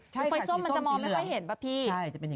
ใช่ค่ะสีส้มที่สิบเหลือ